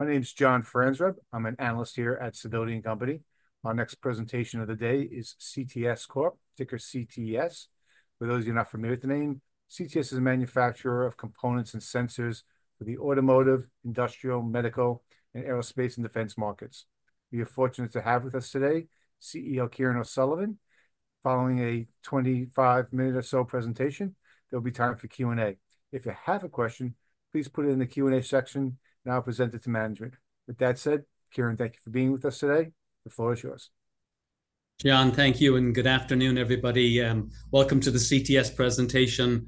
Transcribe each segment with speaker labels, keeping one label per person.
Speaker 1: My name is John Ferencz. I'm an analyst here at Sidoti & Company. Our next presentation of the day is CTS Corp., ticker CTS. For those who are not familiar with the name, CTS is a manufacturer of components and sensors for the automotive, industrial, medical, and aerospace, and defense markets. We are fortunate to have with us today CEO Kieran O'Sullivan. Following a 25-minute or so presentation, there'll be time for Q&A. If you have a question, please put it in the Q&A section and I'll present it to management. With that said, Kieran, thank you for being with us today. The floor is yours.
Speaker 2: John, thank you, and good afternoon, everybody. Welcome to the CTS presentation.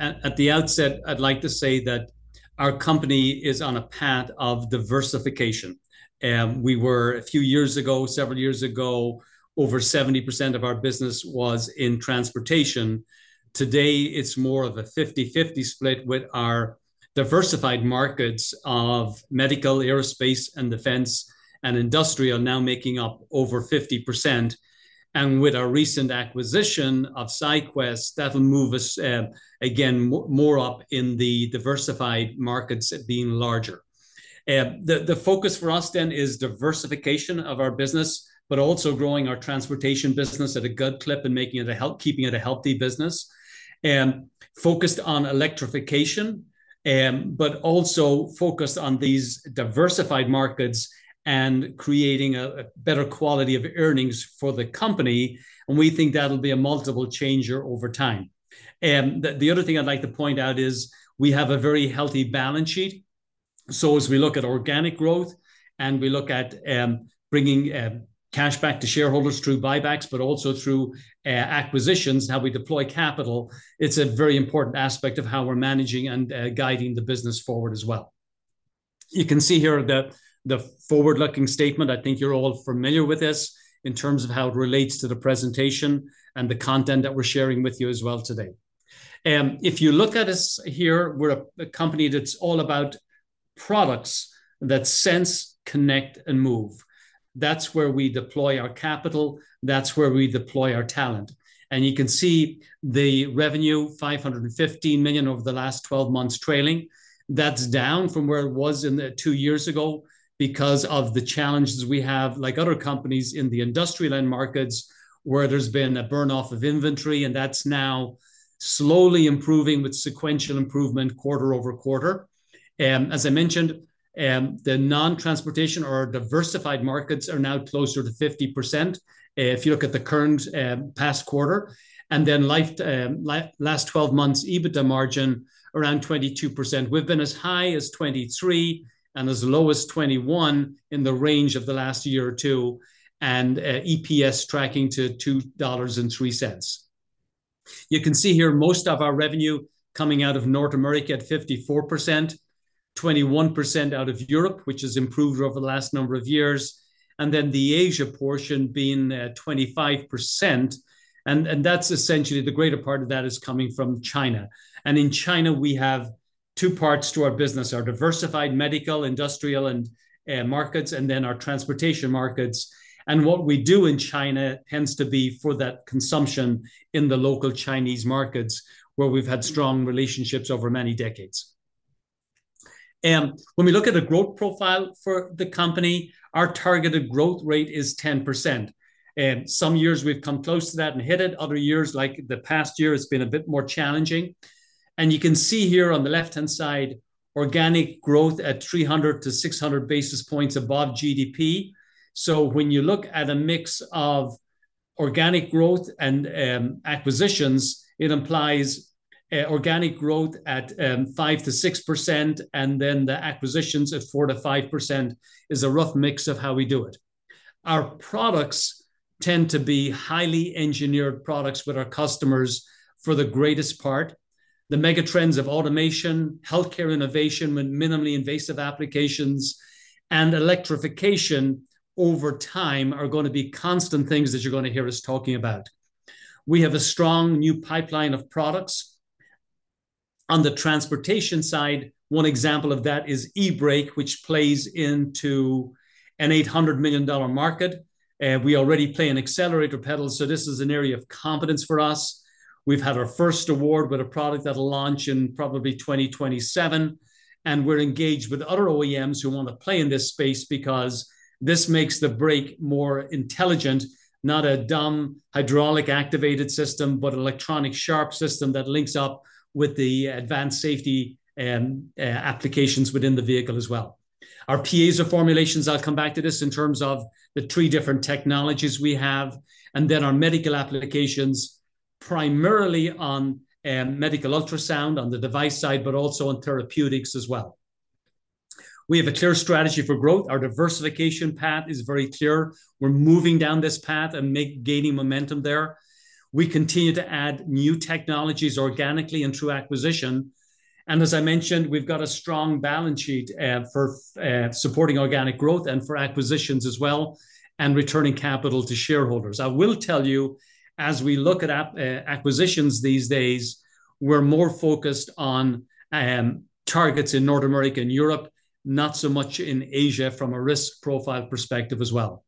Speaker 2: At the outset, I'd like to say that our company is on a path of diversification, and we were a few years ago several years ago, over 70% of our business was in transportation. Today, it's more of a 50%-50% split, with our diversified markets of medical, aerospace, and defense, and industrial now making up over 50%. And with our recent acquisition of SyQwest, that will move us again, more up in the diversified markets at being larger. The focus for us then is diversification of our business, but also growing our transportation business at a good clip and making it a healthy business, keeping it a healthy business, focused on electrification, but also focused on these diversified markets and creating a better quality of earnings for the company, and we think that'll be a multiple changer over time. The other thing I'd like to point out is we have a very healthy balance sheet. As we look at organic growth, and we look at bringing cash back to shareholders through buybacks, but also through acquisitions, how we deploy capital, it's a very important aspect of how we're managing and guiding the business forward as well. You can see here the forward-looking statement. I think you're all familiar with this in terms of how it relates to the presentation and the content that we're sharing with you as well today. If you look at us here, we're a company that's all about products that sense, connect, and move. That's where we deploy our capital. That's where we deploy our talent. And you can see the revenue, $515 million over the last 12 months trailing. That's down from where it was in two years ago because of the challenges we have, like other companies in the industrial end markets, where there's been a burn-off of inventory, and that's now slowly improving with sequential improvement quarter over quarter. As I mentioned, the non-transportation or diversified markets are now closer to 50%, if you look at the current past quarter, and then last 12 months, EBITDA margin around 22%. We've been as high as 23% and as low as 21% in the range of the last year or two, and EPS tracking to $2.03. You can see here most of our revenue coming out of North America at 54%, 21% out of Europe, which has improved over the last number of years, and then the Asia portion being 25%, and that's essentially the greater part of that is coming from China. In China, we have two parts to our business: our diversified medical, industrial, and markets, and then our transportation markets. And what we do in China tends to be for that consumption in the local Chinese markets, where we've had strong relationships over many decades. When we look at the growth profile for the company, our targeted growth rate is 10%, and some years we've come close to that and hit it. Other years, like the past year, it's been a bit more challenging. And you can see here on the left-hand side, organic growth at 300-600 basis points above GDP. So when you look at a mix of organic growth and acquisitions, it implies organic growth at 5%-6%, and then the acquisitions at 4%-5% is a rough mix of how we do it. Our products tend to be highly engineered products with our customers, for the greatest part. The mega trends of automation, healthcare innovation, with minimally invasive applications, and electrification over time are gonna be constant things that you're gonna hear us talking about. We have a strong new pipeline of products. On the transportation side, one example of that is e-brake, which plays into an $800 million market, and we already play in accelerator pedal, so this is an area of competence for us. We've had our first award with a product that'll launch in probably 2027, and we're engaged with other OEMs who want to play in this space because this makes the brake more intelligent, not a dumb, hydraulic-activated system, but an electronic smart system that links up with the advanced safety applications within the vehicle as well. Our piezo formulations, I'll come back to this, in terms of the three different technologies we have, and then our medical applications, primarily on medical ultrasound on the device side, but also on therapeutics as well. We have a clear strategy for growth. Our diversification path is very clear. We're moving down this path and gaining momentum there. We continue to add new technologies organically and through acquisition. And as I mentioned, we've got a strong balance sheet for supporting organic growth and for acquisitions as well, and returning capital to shareholders. I will tell you, as we look at acquisitions these days, we're more focused on targets in North America and Europe, not so much in Asia from a risk profile perspective as well.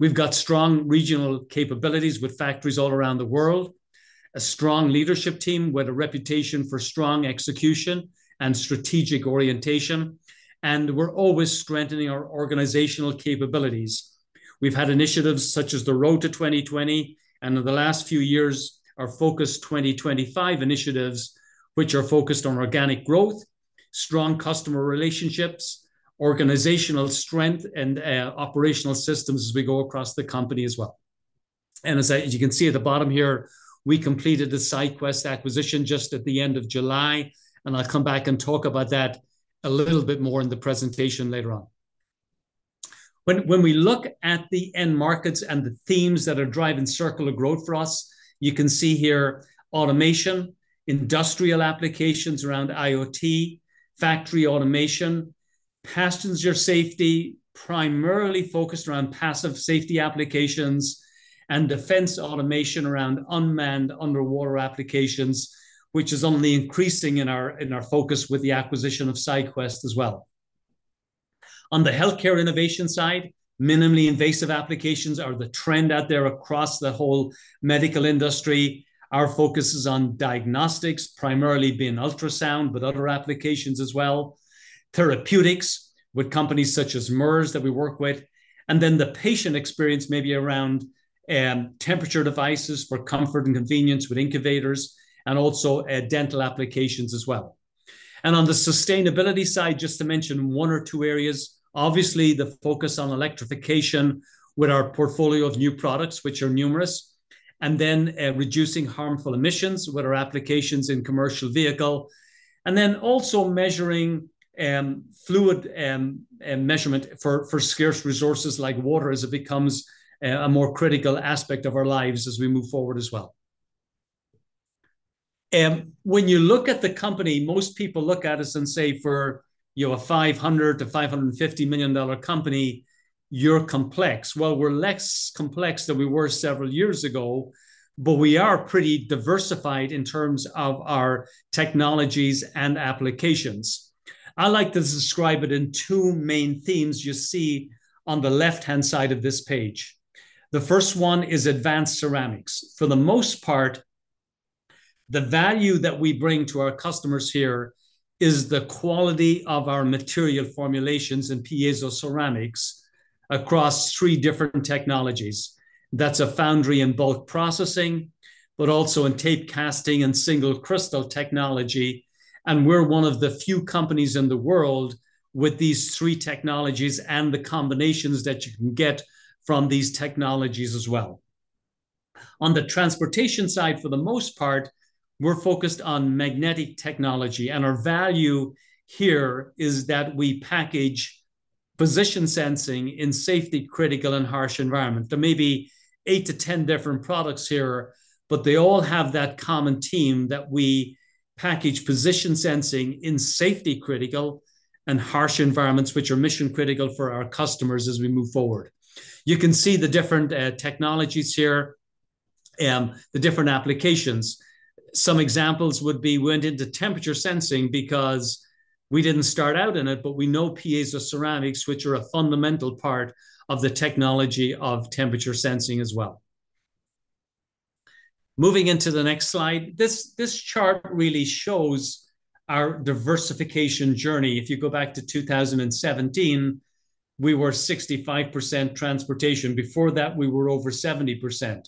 Speaker 2: We've got strong regional capabilities with factories all around the world, a strong leadership team with a reputation for strong execution and strategic orientation, and we're always strengthening our organizational capabilities. We've had initiatives such as the Road to 2020, and in the last few years, our Focus 2025 initiatives, which are focused on organic growth, strong customer relationships, organizational strength, and operational systems as we go across the company as well. As you can see at the bottom here, we completed the SyQwest acquisition just at the end of July, and I'll come back and talk about that a little bit more in the presentation later on. When we look at the end markets and the themes that are driving circular growth for us, you can see here automation, industrial applications around IoT, factory automation, passenger safety, primarily focused around passive safety applications, and defense automation around unmanned underwater applications, which is only increasing in our focus with the acquisition of SyQwest as well. On the healthcare innovation side, minimally invasive applications are the trend out there across the whole medical industry. Our focus is on diagnostics, primarily being ultrasound, but other applications as well. Therapeutics with companies such as Merz that we work with, and then the patient experience may be around temperature devices for comfort and convenience with incubators and also dental applications as well. On the sustainability side, just to mention one or two areas, obviously, the focus on electrification with our portfolio of new products, which are numerous, and then, reducing harmful emissions with our applications in commercial vehicle. Then also measuring, fluid, and measurement for scarce resources like water as it becomes a more critical aspect of our lives as we move forward as well. When you look at the company, most people look at us and say, "you're a $500-550 million company, you're complex," well, we're less complex than we were several years ago, but we are pretty diversified in terms of our technologies and applications. I like to describe it in two main themes you see on the left-hand side of this page. The first one is advanced ceramics. For the most part, the value that we bring to our customers here is the quality of our material formulations and piezo ceramics across three different technologies. That's a foundry in both processing, but also in tape casting and single crystal technology, and we're one of the few companies in the world with these three technologies and the combinations that you can get from these technologies as well. On the transportation side, for the most part, we're focused on magnetic technology, and our value here is that we package position sensing in safety-critical and harsh environment. There may be eight to 10 different products here, but they all have that common theme, that we package position sensing in safety-critical and harsh environments, which are mission-critical for our customers as we move forward. You can see the different technologies here, the different applications. Some examples would be went into temperature sensing because we didn't start out in it, but we know piezo ceramics, which are a fundamental part of the technology of temperature sensing as well. Moving into the next slide, this, this chart really shows our diversification journey. If you go back to 2017, we were 65% transportation. Before that, we were over 70%.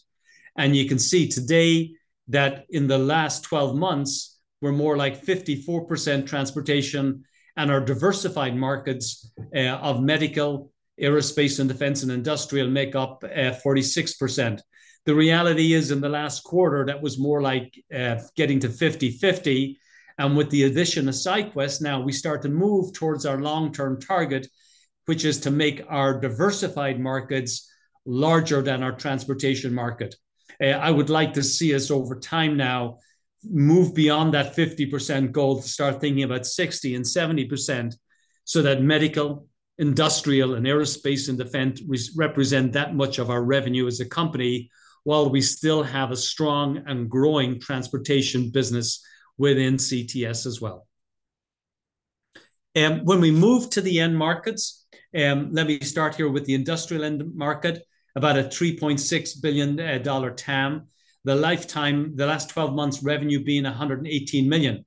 Speaker 2: And you can see today that in the last 12 months, we're more like 54% transportation, and our diversified markets of medical, aerospace, and defense, and industrial make up 46%. The reality is, in the last quarter, that was more like getting to 50%-50%, and with the addition of SyQwest, now we start to move towards our long-term target, which is to make our diversified markets larger than our transportation market. I would like to see us, over time now, move beyond that 50% goal to start thinking about 60% and 70%, so that medical, industrial, and aerospace, and defense represent that much of our revenue as a company, while we still have a strong and growing transportation business within CTS as well. When we move to the end markets, let me start here with the industrial end market, about a $3.6 billion dollar TAM. The last twelve months revenue being $118 million,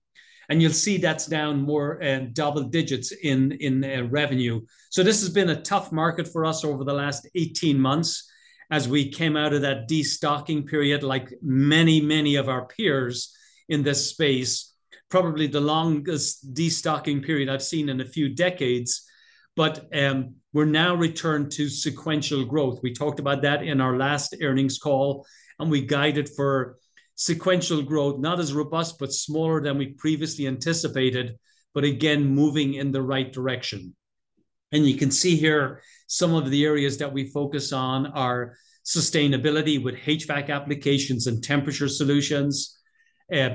Speaker 2: and you'll see that's down more, double digits in revenue. So this has been a tough market for us over the last 18 months as we came out of that destocking period, like many, many of our peers in this space. Probably the longest destocking period I've seen in a few decades, but we're now returned to sequential growth. We talked about that in our last earnings call, and we guided for sequential growth, not as robust, but smaller than we previously anticipated, but again, moving in the right direction. And you can see here some of the areas that we focus on are sustainability with HVAC applications and temperature solutions,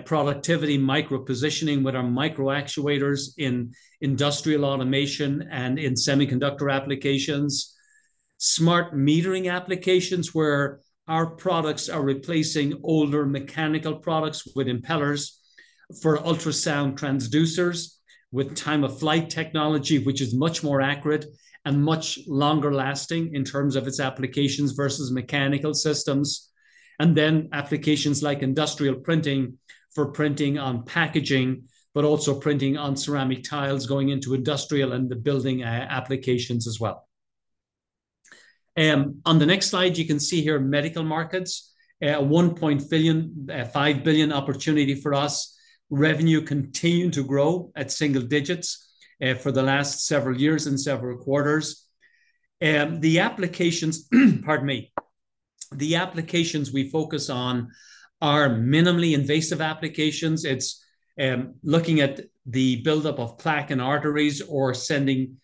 Speaker 2: productivity micropositioning with our microactuators in industrial automation and in semiconductor applications, smart metering applications, where our products are replacing older mechanical products with impellers for ultrasound transducers, with time-of-flight technology, which is much more accurate and much longer-lasting in terms of its applications versus mechanical systems. And then applications like industrial printing for printing on packaging, but also printing on ceramic tiles, going into industrial and the building applications as well. On the next slide, you can see here medical markets, $1.5 billion opportunity for us. Revenue continued to grow at single digits for the last several years and several quarters. The applications, pardon me. The applications we focus on are minimally invasive applications. It's looking at the buildup of plaque in arteries or sending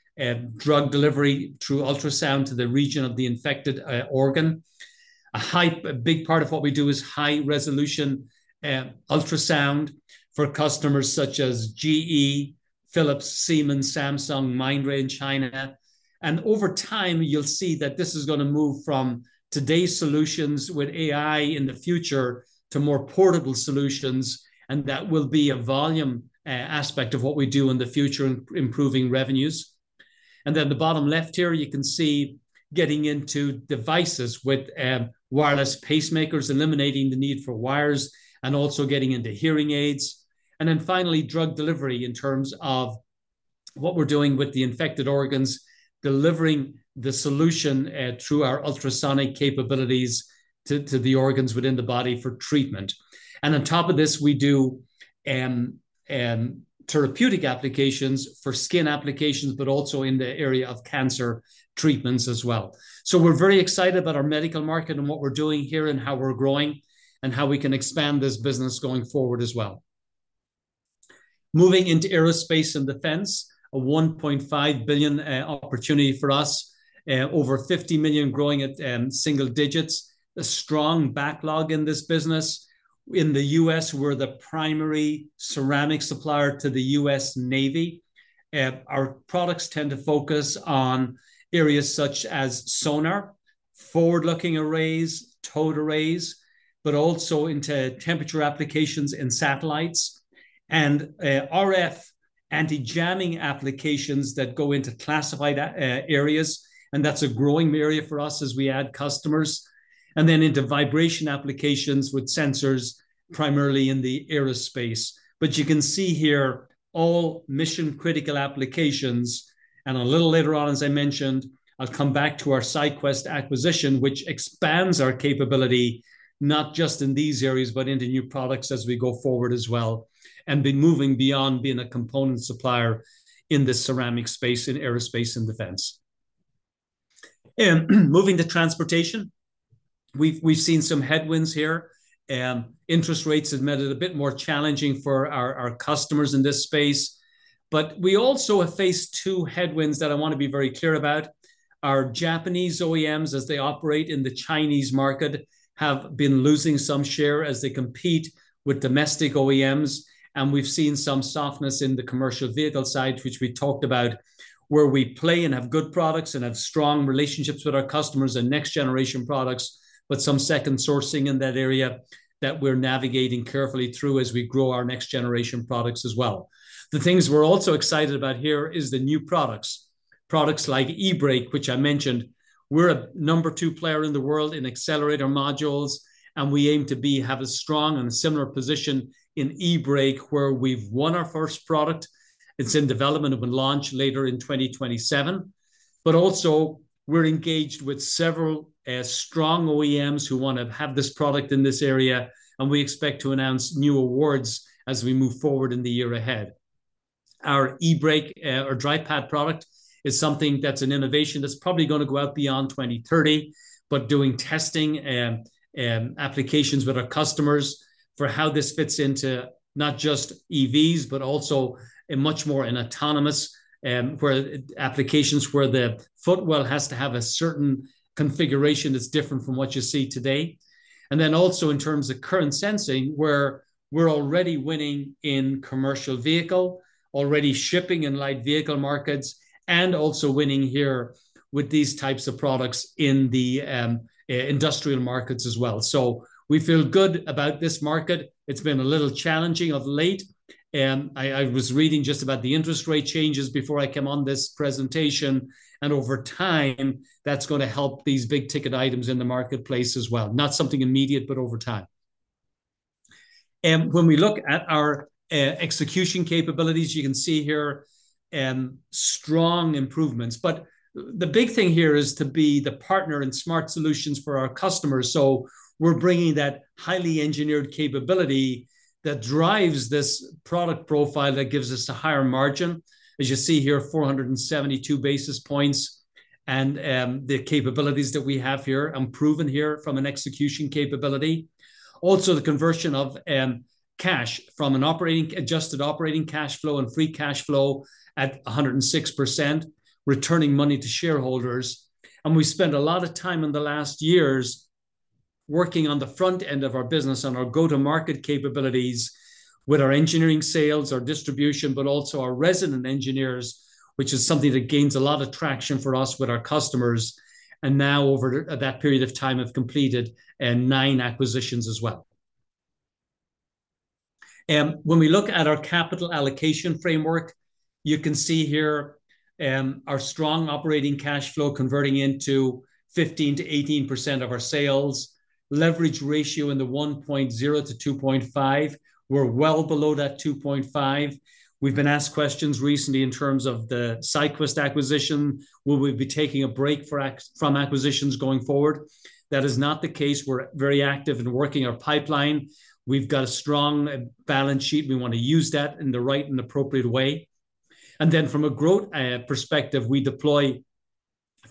Speaker 2: drug delivery through ultrasound to the region of the infected organ. A big part of what we do is high-resolution ultrasound for customers such as GE, Philips, Siemens, Samsung, Mindray in China. And over time, you'll see that this is gonna move from today's solutions with AI in the future to more portable solutions, and that will be a volume aspect of what we do in the future in improving revenues. And then the bottom left here, you can see getting into devices with wireless pacemakers, eliminating the need for wires, and also getting into hearing aids. And then finally, drug delivery in terms of what we're doing with the infected organs, delivering the solution through our ultrasonic capabilities to the organs within the body for treatment. And on top of this, we do therapeutic applications for skin applications, but also in the area of cancer treatments as well. So we're very excited about our medical market and what we're doing here, and how we're growing, and how we can expand this business going forward as well. Moving into aerospace and defense, a $1.5 billion opportunity for us. Over $50 million, growing at single digits. A strong backlog in this business. In the U.S., we're the primary ceramic supplier to the U.S. Navy. Our products tend to focus on areas such as sonar, forward-looking arrays, towed arrays, but also into temperature applications in satellites, and RF anti-jamming applications that go into classified areas, and that's a growing area for us as we add customers. And then into vibration applications with sensors, primarily in the aerospace. But you can see here all mission-critical applications, and a little later on, as I mentioned, I'll come back to our SyQwest acquisition, which expands our capability not just in these areas, but into new products as we go forward as well, and be moving beyond being a component supplier in the ceramic space, in aerospace and defense. Moving to transportation, we've seen some headwinds here. Interest rates have made it a bit more challenging for our customers in this space, but we also have faced two headwinds that I wanna be very clear about. Our Japanese OEMs, as they operate in the Chinese market, have been losing some share as they compete with domestic OEMs, and we've seen some softness in the commercial vehicle side, which we talked about, where we play and have good products and have strong relationships with our customers and next-generation products, but some second sourcing in that area that we're navigating carefully through as we grow our next-generation products as well. The things we're also excited about here is the new products. Products like e-brake, which I mentioned. We're a number two player in the world in accelerator modules, and we aim to have a strong and similar position in e-brake, where we've won our first product. It's in development and will launch later in 2027 but also, we're engaged with several strong OEMs who wanna have this product in this area, and we expect to announce new awards as we move forward in the year ahead. Our e-brake or dry pad product is something that's an innovation that's probably gonna go out beyond 2030, but doing testing applications with our customers for how this fits into not just EVs, but also a much more autonomous applications where the footwell has to have a certain configuration that's different from what you see today and then also in terms of current sensing, where we're already winning in commercial vehicle, already shipping in light vehicle markets, and also winning here with these types of products in the industrial markets as well so we feel good about this market. It's been a little challenging of late. I was reading just about the interest rate changes before I came on this presentation, and over time, that's gonna help these big-ticket items in the marketplace as well. Not something immediate, but over time. When we look at our execution capabilities, you can see here strong improvements, but the big thing here is to be the partner in smart solutions for our customers, so we're bringing that highly engineered capability that drives this product profile that gives us a higher margin. As you see here, 472 basis points, and the capabilities that we have here, improving here from an execution capability. Also, the conversion of cash from adjusted operating cash flow and free cash flow at 100%, returning money to shareholders. We spent a lot of time in the last years working on the front end of our business, on our go-to-market capabilities with our engineering sales, our distribution, but also our resident engineers, which is something that gains a lot of traction for us with our customers, and now over that period of time, have completed nine acquisitions as well. When we look at our capital allocation framework, you can see here our strong operating cash flow converting into 15%-18% of our sales. Leverage ratio in the 1.0-2.5, we're well below that 2.5. We've been asked questions recently in terms of the SyQwest acquisition. Will we be taking a break from acquisitions going forward? That is not the case. We're very active in working our pipeline. We've got a strong balance sheet. We wanna use that in the right and appropriate way. And then from a growth perspective, we deploy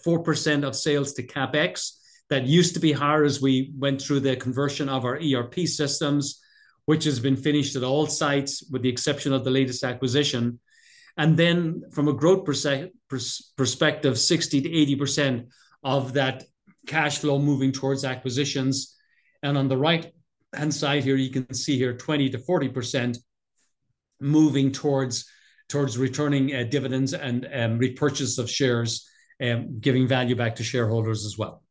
Speaker 2: 4% of sales to CapEx. That used to be higher as we went through the conversion of our ERP systems, which has been finished at all sites, with the exception of the latest acquisition. And then from a growth perspective, 60%-80% of that cash flow moving towards acquisitions. And on the right-hand side here, you can see here 20%-40% moving towards returning dividends and repurchase of shares, giving value back to shareholders as well.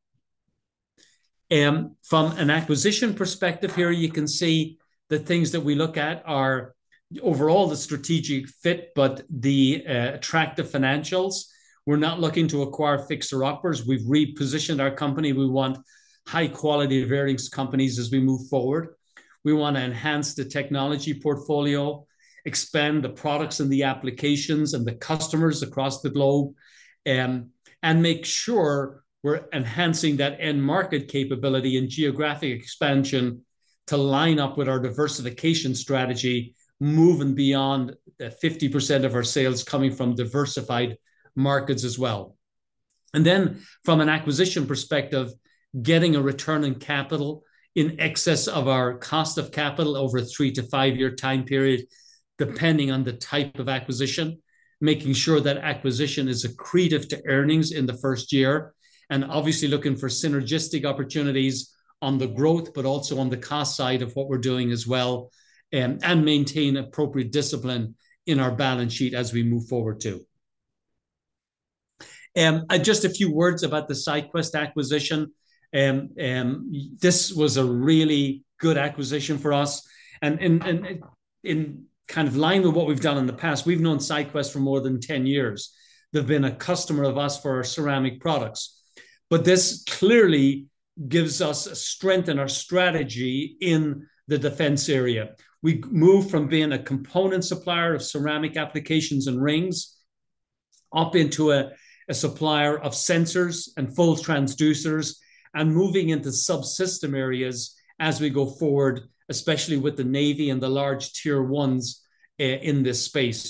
Speaker 2: From an acquisition perspective here, you can see the things that we look at are overall the strategic fit, but the attractive financials. We're not looking to acquire fixer-uppers. We've repositioned our company. We want high quality of earnings companies as we move forward. We wanna enhance the technology portfolio, expand the products and the applications and the customers across the globe, and make sure we're enhancing that end market capability and geographic expansion to line up with our diversification strategy, moving beyond the 50% of our sales coming from diversified markets as well. And then, from an acquisition perspective, getting a return on capital in excess of our cost of capital over a 3 to 5-year time period, depending on the type of acquisition, making sure that acquisition is accretive to earnings in the first year, and obviously looking for synergistic opportunities on the growth, but also on the cost side of what we're doing as well, and maintain appropriate discipline in our balance sheet as we move forward, too. And just a few words about the SyQwest acquisition. This was a really good acquisition for us, and in kind of line with what we've done in the past, we've known SyQwest for more than 10 years. They've been a customer of us for our ceramic products. But this clearly gives us a strength in our strategy in the defense area. We've moved from being a component supplier of ceramic applications and rings, up into a supplier of sensors and full transducers, and moving into subsystem areas as we go forward, especially with the Navy and the large Tier ones in this space.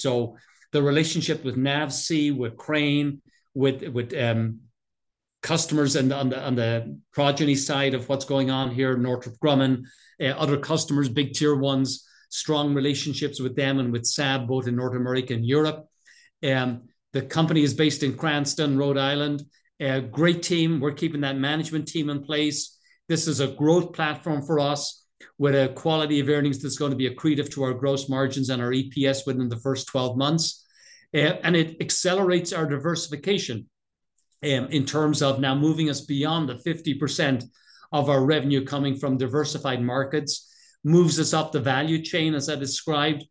Speaker 2: The relationship with NAVSEA, with Crane, with customers, and on the Progeny side of what's going on here, Northrop Grumman, other customers, big Tier ones, strong relationships with them and with Saab, both in North America and Europe. The company is based in Cranston, Rhode Island. A great team. We're keeping that management team in place. This is a growth platform for us, with a quality of earnings that's gonna be accretive to our gross margins and our EPS within the first 12 months. And it accelerates our diversification, in terms of now moving us beyond the 50% of our revenue coming from diversified markets, moves us up the value chain, as I described,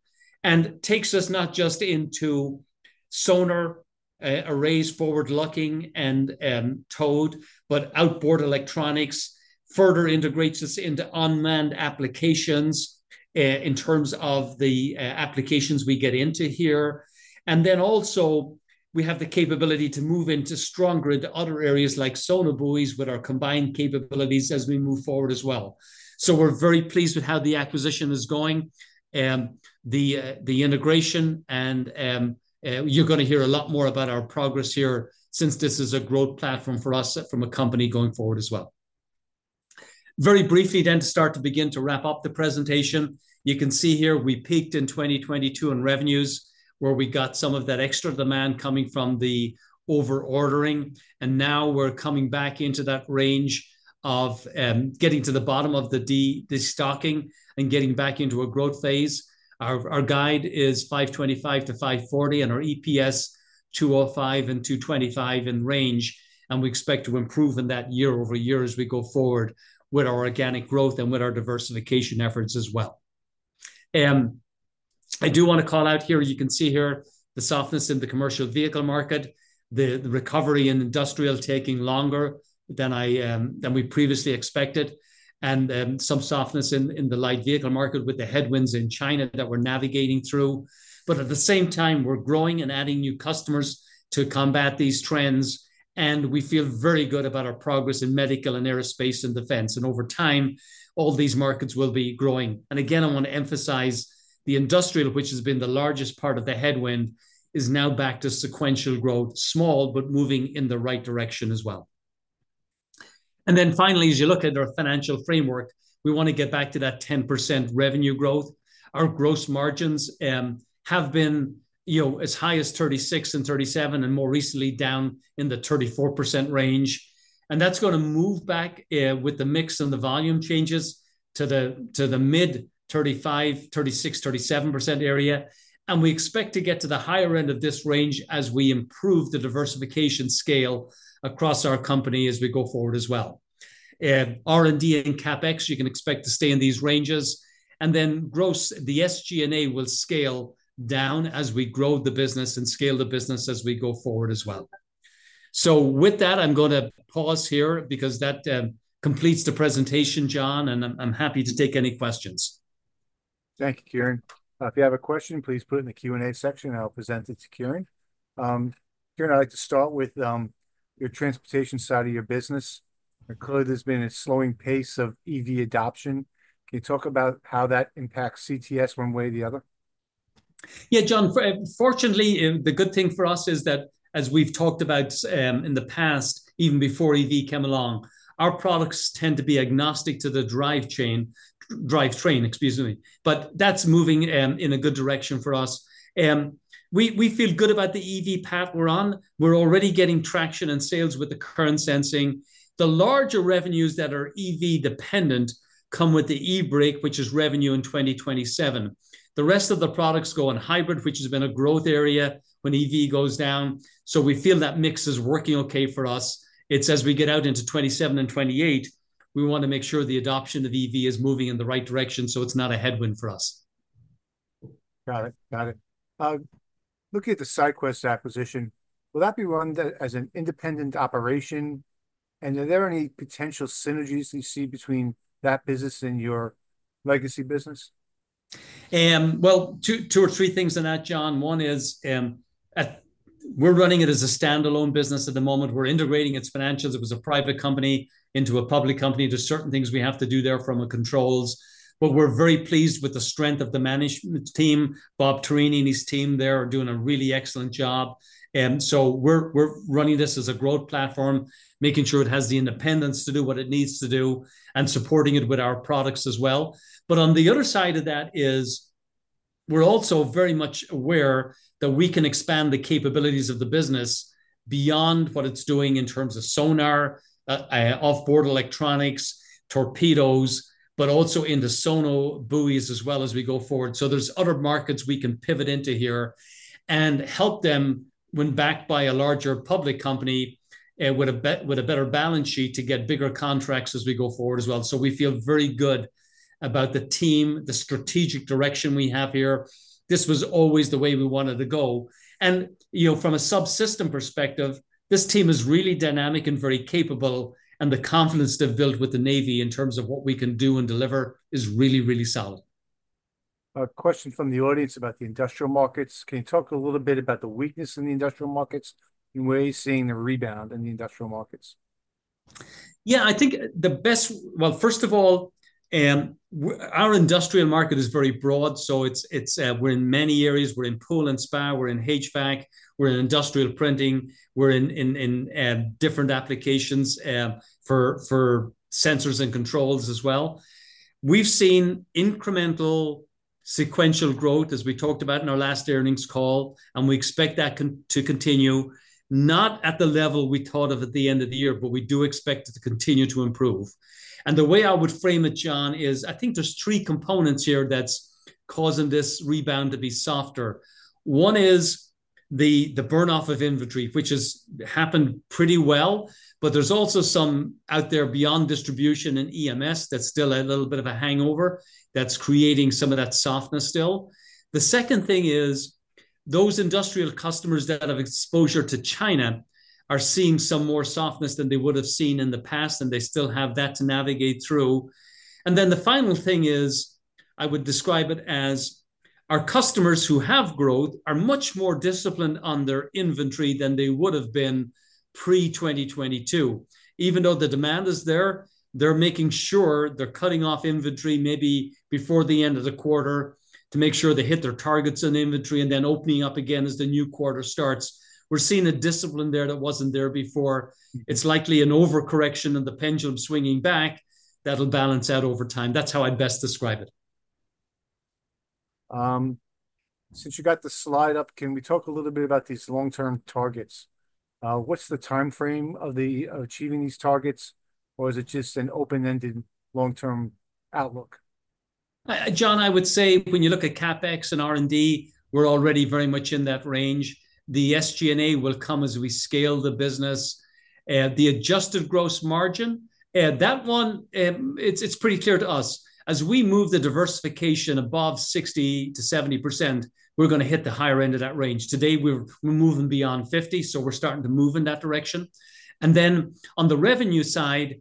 Speaker 2: and takes us not just into sonar arrays, forward-looking and towed, but outboard electronics, further integrates us into unmanned applications, in terms of the applications we get into here. And then also, we have the capability to move into other areas like sonobuoys, with our combined capabilities as we move forward as well. So we're very pleased with how the acquisition is going, the integration and you're gonna hear a lot more about our progress here, since this is a growth platform for us for the company going forward as well. Very briefly then, to start to begin to wrap up the presentation, you can see here we peaked in 2022 in revenues, where we got some of that extra demand coming from the over-ordering, and now we're coming back into that range of getting to the bottom of the de-stocking and getting back into a growth phase. Our guide is $525-540, and our EPS $2.05-2.25 in range, and we expect to improve in that year-over-year as we go forward with our organic growth and with our diversification efforts as well. I do wanna call out here, you can see here the softness in the commercial vehicle market, the recovery in industrial taking longer than we previously expected and some softness in the light vehicle market with the headwinds in China that we're navigating through. But at the same time, we're growing and adding new customers to combat these trends, and we feel very good about our progress in medical and aerospace and defense, and over time, all these markets will be growing. And again, I wanna emphasize the industrial, which has been the largest part of the headwind, is now back to sequential growth, small, but moving in the right direction as well. And then finally, as you look at our financial framework, we wanna get back to that 10% revenue growth. Our gross margins have been, you know, as high as 36% and 37%, and more recently, down in the 34% range. And that's gonna move back with the mix and the volume changes to the mid-35%-37% area. We expect to get to the higher end of this range as we improve the diversification scale across our company as we go forward as well. R&D and CapEx, you can expect to stay in these ranges. And then gross, the SG&A will scale down as we grow the business and scale the business as we go forward as well. So with that, I'm gonna pause here because that completes the presentation, John, and I'm happy to take any questions.
Speaker 1: Thank you, Kieran. If you have a question, please put it in the Q&A section, and I'll present it to Kieran. Kieran, I'd like to start with your transportation side of your business. Clearly, there's been a slowing pace of EV adoption. Can you talk about how that impacts CTS one way or the other?
Speaker 2: Yeah, John, fortunately, and the good thing for us is that, as we've talked about, in the past, even before EV came along, our products tend to be agnostic to the drive chain—drivetrain, excuse me, but that's moving in a good direction for us. We feel good about the EV path we're on. We're already getting traction and sales with the current sensing. The larger revenues that are EV-dependent come with the e-brake, which is revenue in 2027. The rest of the products go on hybrid, which has been a growth area when EV goes down, so we feel that mix is working okay for us. It's as we get out into 2027 and 2028, we want to make sure the adoption of EV is moving in the right direction, so it's not a headwind for us.
Speaker 1: Got it. Got it. Looking at the SyQwest acquisition, will that be run as an independent operation? And are there any potential synergies you see between that business and your legacy business?
Speaker 2: Two or three things in that, John. One is, we're running it as a standalone business at the moment. We're integrating its financials. It was a private company into a public company. There's certain things we have to do there from a controls, but we're very pleased with the strength of the management team. Bob Tarini and his team there are doing a really excellent job. So we're running this as a growth platform, making sure it has the independence to do what it needs to do, and supporting it with our products as well. But on the other side of that is, we're also very much aware that we can expand the capabilities of the business beyond what it's doing in terms of sonar, outboard electronics, torpedoes, but also in the sonobuoys as well as we go forward. So there's other markets we can pivot into here and help them, when backed by a larger public company, with a better balance sheet, to get bigger contracts as we go forward as well. So we feel very good about the team, the strategic direction we have here. This was always the way we wanted to go. And, you know, from a subsystem perspective, this team is really dynamic and very capable, and the confidence they've built with the Navy in terms of what we can do and deliver is really, really solid.
Speaker 1: A question from the audience about the industrial markets. Can you talk a little bit about the weakness in the industrial markets, and when are you seeing the rebound in the industrial markets?
Speaker 2: Yeah, I think the best. Well, first of all, our industrial market is very broad, so it's, we're in many areas. We're in pool and spa, we're in HVAC, we're in industrial printing, we're in different applications for sensors and controls as well. We've seen incremental sequential growth, as we talked about in our last earnings call, and we expect that to continue, not at the level we thought of at the end of the year, but we do expect it to continue to improve. The way I would frame it, John, is I think there's three components here that's causing this rebound to be softer. One is the burn-off of inventory, which has happened pretty well, but there's also some out there beyond distribution and EMS that's still a little bit of a hangover, that's creating some of that softness still. The second thing is, those industrial customers that have exposure to China are seeing some more softness than they would've seen in the past, and they still have that to navigate through. And then the final thing is, I would describe it as our customers who have growth are much more disciplined on their inventory than they would've been pre-2022. Even though the demand is there, they're making sure they're cutting off inventory, maybe before the end of the quarter, to make sure they hit their targets in inventory, and then opening up again as the new quarter starts. We're seeing a discipline there that wasn't there before. It's likely an overcorrection, and the pendulum swinging back, that'll balance out over time. That's how I'd best describe it.
Speaker 1: Since you got the slide up, can we talk a little bit about these long-term targets? What's the timeframe of achieving these targets, or is it just an open-ended, long-term outlook?
Speaker 2: John, I would say when you look at CapEx and R&D, we're already very much in that range. The SG&A will come as we scale the business. The adjusted gross margin, that one, it's pretty clear to us, as we move the diversification above 60%-70%, we're gonna hit the higher end of that range. Today, we're moving beyond 50%, so we're starting to move in that direction. Then, on the revenue side,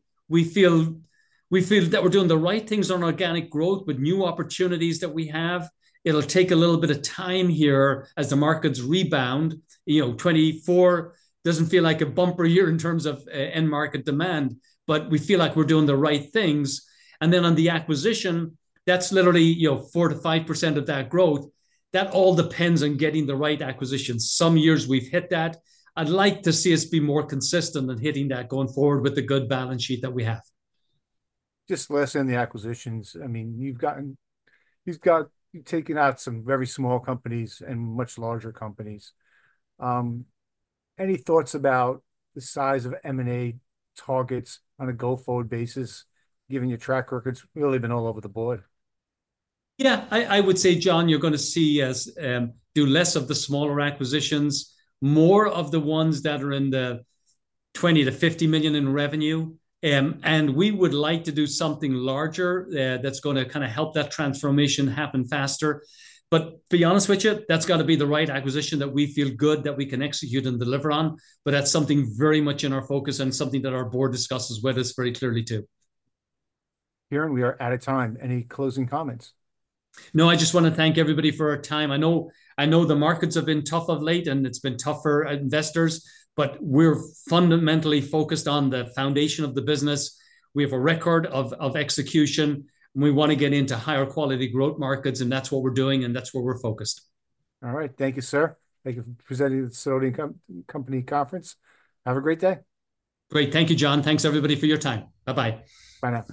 Speaker 2: we feel that we're doing the right things on organic growth with new opportunities that we have. It'll take a little bit of time here as the markets rebound. You know, 2024 doesn't feel like a bumper year in terms of end market demand, but we feel like we're doing the right things. And then on the acquisition, that's literally, you know, 4%-5% of that growth. That all depends on getting the right acquisition. Some years we've hit that. I'd like to see us be more consistent in hitting that going forward with the good balance sheet that we have.
Speaker 1: Just last on the acquisitions, I mean, you've gotten—you've got, you've taken out some very small companies and much larger companies. Any thoughts about the size of M&A targets on a go-forward basis, given your track record? It's really been all over the board.
Speaker 2: Yeah, I would say, John, you're gonna see us do less of the smaller acquisitions, more of the ones that are in the $20-50 million in revenue. And we would like to do something larger, that's gonna kinda help that transformation happen faster. But to be honest with you, that's got to be the right acquisition that we feel good that we can execute and deliver on, but that's something very much in our focus and something that our board discusses with us very clearly, too.
Speaker 1: Kieran, we are out of time. Any closing comments?
Speaker 2: No, I just wanna thank everybody for our time. I know, I know the markets have been tough of late, and it's been tough for investors, but we're fundamentally focused on the foundation of the business. We have a record of execution, and we want to get into higher quality growth markets, and that's what we're doing, and that's where we're focused.
Speaker 1: All right. Thank you, sir. Thank you for presenting at the Sidoti & Company Conference. Have a great day.
Speaker 2: Great. Thank you, John. Thanks, everybody, for your time. Bye-bye.
Speaker 1: Bye now.